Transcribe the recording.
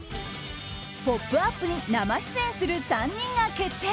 「ポップＵＰ！」に生出演する３人が決定。